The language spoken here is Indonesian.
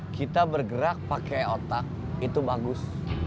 kita bergerak pakai otak itu bagus